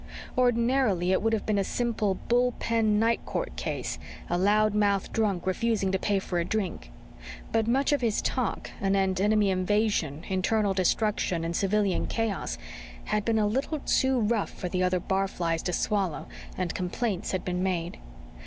Ordinarily it would have been a simple bull pen, night court case a loud mouth drunk refusing to pay for a drink. But much of his talk, anent enemy invasion, internal destruction, and civilian chaos, had been a little too rough for the other barflies to swallow, and complaints had been made.